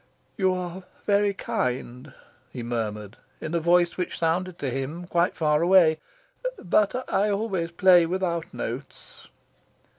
"You are very kind," he murmured, in a voice which sounded to him quite far away. "But I always play without notes."